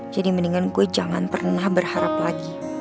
jadi mendingan gue jangan pernah berharap lagi